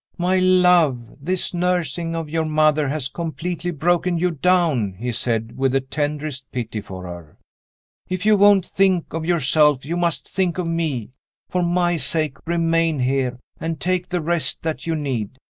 "My love, this nursing of your mother has completely broken you down!" he said, with the tenderest pity for her. "If you won't think of yourself, you must think of me. For my sake remain here, and take the rest that you need.